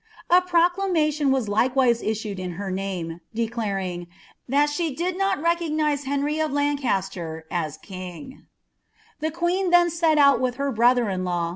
A pioclamaiion won likerai issued in lier name, doclaiijig " thai she did not recognise Henc^ otlt^ caster as king." The queen then set out with her brotber^iMaw.